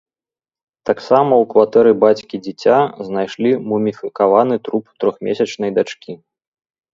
Таксама ў кватэры бацькі дзіця знайшлі муміфікаваны труп трохмесячнай дачкі.